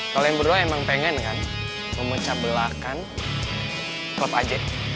kalian berdua emang pengen kan memecah belakan klub aj